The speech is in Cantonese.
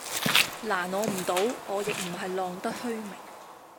難我唔到，我並唔係浪得虛名